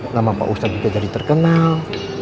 nama pak ustadz juga jadi terkenal